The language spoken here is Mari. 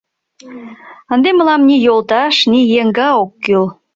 — Ынде мылам ни йолташ, ни еҥга ок кӱл.